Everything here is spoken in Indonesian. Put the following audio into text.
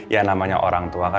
ya namanya orang tua